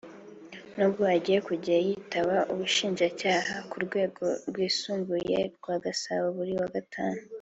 n’ubwo agiye kujya yitaba Ubushinjacyaha ku rwego rwisubuye rwa Gasabo buri wa Gatanu